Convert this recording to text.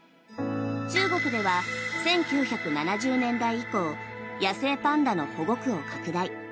中国では１９７０年代以降野生パンダの保護区を拡大。